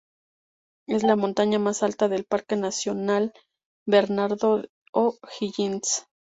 Es la montaña más alta del Parque Nacional Bernardo O'Higgins.